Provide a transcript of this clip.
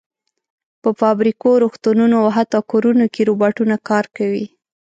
په فابریکو، روغتونونو او حتی کورونو کې روباټونه کار کوي.